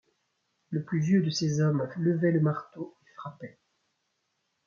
Le plus vieux de ces hommes levait le marteau et frappait.